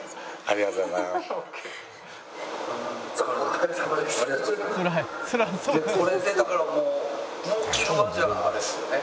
ありがとうございます。